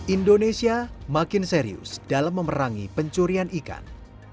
indonesia makin serius dalam memerangi pencurian ikan